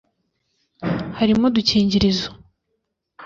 harimo udukingirizo